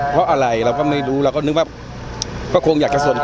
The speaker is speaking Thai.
เพราะอะไรเราก็ไม่รู้เราก็นึงวัพ